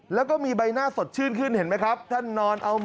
แล้วก็มีใบหน้าสดชื่นขึ้นเห็นไหมครับท่านนอนเอา